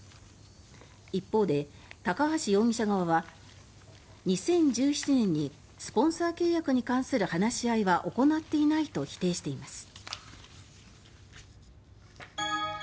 一方で高橋容疑者側は２０１７年にスポンサー契約に関する話し合いは行っていないと否定しています。